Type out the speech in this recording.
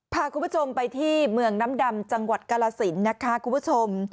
พาคุณผู้ชมไปที่เมืองน้ำดำจังหวัดกาลสินนะคะคุณผู้ชม